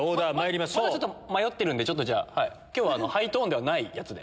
まだちょっと迷ってるんで今日はハイトーンではないやつで。